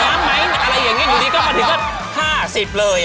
หิวน้ำไหมอะไรอย่างงี้อยู่นี่ก็ขนาดนี้ก็๕๐เลย